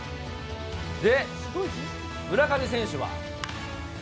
で、村上選手は。